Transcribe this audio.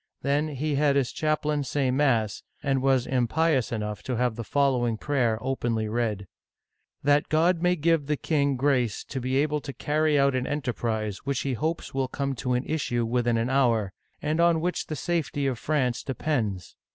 Then he had his chaplain say mass, and was impious enough to have the following prayer openly read :" That God may give the king grace to be able to carry out an enterprise which he hopes will come to an issue within an hour, and on which the safety of France depends